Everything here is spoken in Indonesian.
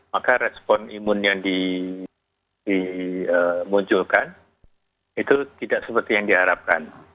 maka respon imun yang dimunculkan itu tidak seperti yang diharapkan